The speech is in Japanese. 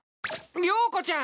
了子ちゃん！